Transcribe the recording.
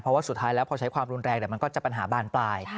เพราะว่าสุดท้ายแล้วพอใช้ความรุนแรงเดี๋ยวมันก็จะปัญหาบานปลาย